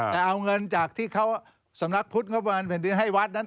แต่เอาเงินจากที่เขาสำนักพุทธกระบวนเป็นที่ให้วัฒน์นั้น